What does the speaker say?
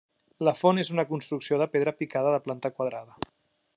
La font és una construcció de pedra picada de planta quadrada.